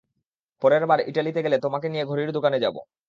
পরেরবার ইটালিতে গেলে তোমাকে নিয়ে ঘড়ির দোকানে যাব!